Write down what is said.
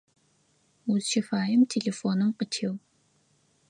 Узщыфаем телефоным къытеу.